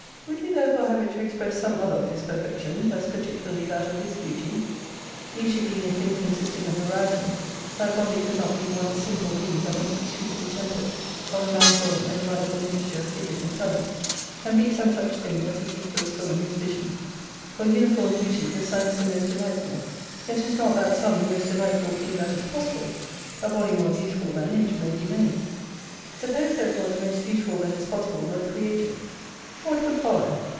Would you therefore have it to express some other of His perfections ; as particularly that of His beauty ? Beauty being a thing consisting of variety, that body could not be one simple being, but must be sweetly tempered of a manifold and delightful mixture of figures and colours : and be some such thing as Ezekiel saw in his vision. For uniform beauty the Sun is the most delightful, yet is not that Sun the most delightful thing that is possible. A body more beauti ful than it may be made. Suppose therefore the most beautiful that is possible were created. What would follow